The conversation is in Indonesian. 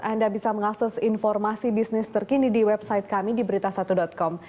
anda bisa mengakses informasi bisnis terkini di website kami di berita satu com